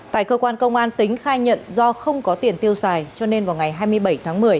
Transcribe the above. tại cơ quan công an tính khai nhận do không có tiền tiêu xài cho nên vào ngày hai mươi bảy tháng một mươi